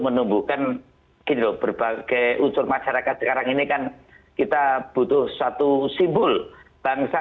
menumbuhkan hidup berbagai usur masyarakat sekarang ini kan kita butuh satu simbol bangsa